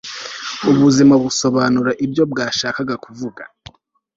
Ubuzima busobanura ibyo bwashakaga kuvuga